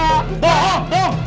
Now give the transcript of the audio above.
nggak dengar ber snail begini